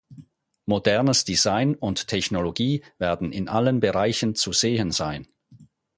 Modernes Design und Technologie werden in allen Bereichen zu sehen sein.